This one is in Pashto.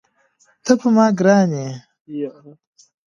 ته پر ما ګران یې.